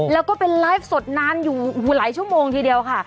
แล้วก็เป็นไลฟ์สดนานอยู่หลายชั่วโมงทีเดียวค่ะ